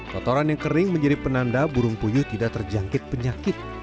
kotoran yang kering menjadi penanda burung puyuh tidak terjangkit penyakit